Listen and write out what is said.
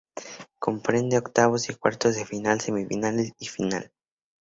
Comprende octavos y cuartos de final, semifinales y final.